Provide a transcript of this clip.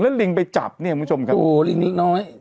แล้วลิงไปจับเนี่ยคุณผู้ชมครับโอ้โหลิงนี้น้อย